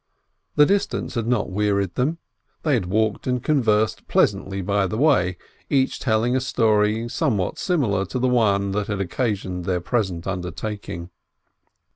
The distance had not wearied them; they had walked and conversed pleasantly by the way, each telling a story somewhat similar to the one that had occasioned their present undertaking.